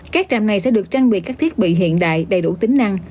các trạm này sẽ được trang bị các thiết bị hiện đại đầy đủ tính năng